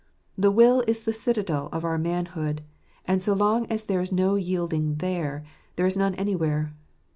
The will is the citadel of our manhood ; and so long as there is no yielding there, there is none anywhere.